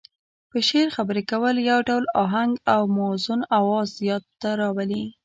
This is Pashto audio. په شعر خبرې کول يو ډول اهنګ او موزون اواز ياد ته راولي.